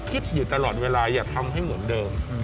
อยู่ตลอดเวลาอย่าทำให้เหมือนเดิม